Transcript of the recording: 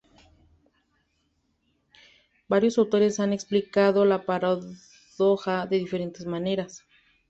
Varios autores han explicado la paradoja de diferentes maneras.